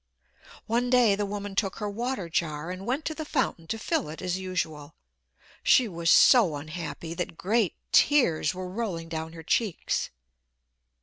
One day the woman took her water jar and went to the fountain to fill it as usual. She was so unhappy that great tears were rolling down her cheeks.